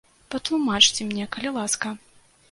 Патлумачце мне, калі ласка.